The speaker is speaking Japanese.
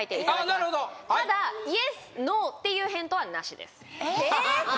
なるほどただＹＥＳＮＯっていう返答はナシですえっ？